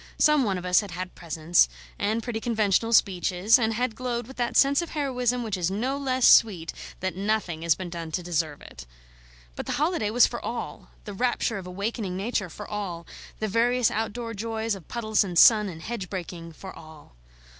Some one of us had had presents, and pretty conventional speeches, and had glowed with that sense of heroism which is no less sweet that nothing has been done to deserve it. But the holiday was for all, the rapture of awakening Nature for all, the various outdoor joys of puddles and sun and hedge breaking for all.